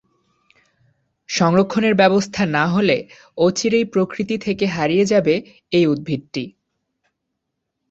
সংরক্ষণের ব্যবস্থা না হলে অচিরেই প্রকৃতি থেকে হারিয়ে যাবে এই ঔষধি উদ্ভিদটি।